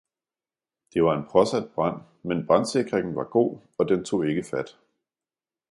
Det var en påsat brand, men brandsikringen var god og den tog ikke fat.